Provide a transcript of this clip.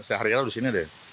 saya hari hari di sini deh